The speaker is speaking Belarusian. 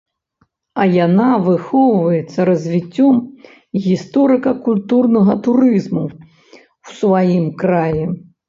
А яна выхоўваецца развіццём гісторыка-культурнага турызму ў сваім краі.